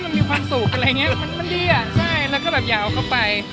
มันมีความสุขอะไรอย่างเงี้ยมันมันดีอ่ะใช่แล้วก็แบบอย่าเอาเข้าไป